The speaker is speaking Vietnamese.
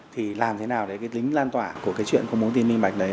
thì làm thế nào để cái tính lan tỏa của cái chuyện công bố thông tin minh bạch đấy